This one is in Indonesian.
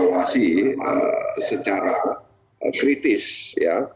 bisa dikeluasi secara kritis ya